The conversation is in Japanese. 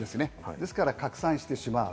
ですから拡散してしまう。